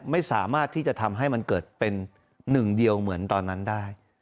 ไม่สามารถที่จะทำให้มันเกิดเป็นหนึ่งเดียวเหมือนตอนนั้นได้